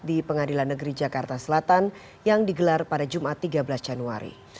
di pengadilan negeri jakarta selatan yang digelar pada jumat tiga belas januari